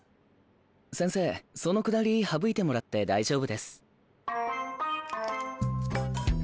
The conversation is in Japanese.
先生そのくだり省いてもらって大丈夫です。